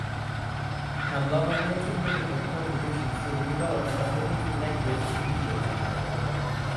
Kamlova made significant contributions to the development of the Hindi language in Mizoram.